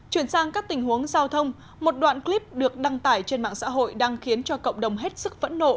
chuyển sang các tình huống giao thông một đoạn clip được đăng tải trên mạng xã hội đang khiến cho cộng đồng hết sức phẫn nộ